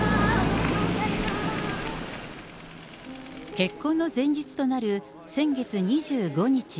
結婚の前日となる先月２５日。